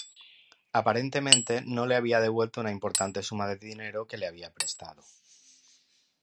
Aparentemente, no le había devuelto una importante suma de dinero que le había prestado.